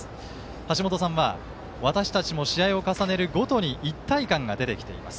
橋本さんは私たちも試合を重ねるごとに一体感が出てきています。